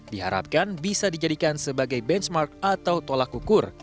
diharapkan bisa dijadikan sebagai benchmark atau tolak ukur